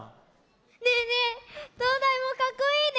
ねえねえ灯台もかっこいいね。